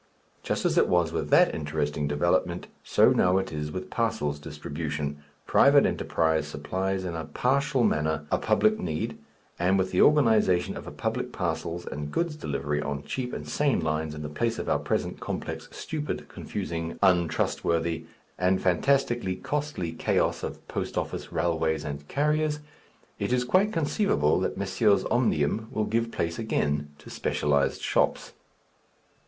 Just as it was with that interesting development, so now it is with parcels distribution: private enterprise supplies in a partial manner a public need, and with the organization of a public parcels and goods delivery on cheap and sane lines in the place of our present complex, stupid, confusing, untrustworthy, and fantastically costly chaos of post office, railways, and carriers, it is quite conceivable that Messrs. Omnium will give place again to specialized shops.